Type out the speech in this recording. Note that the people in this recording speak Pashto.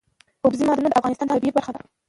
اوبزین معدنونه د افغانستان د طبیعت برخه ده.